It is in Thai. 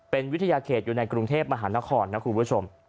เป็นวิทยาเขตอยู่ในกรุงเทพมหานครนะคุณผู้ชม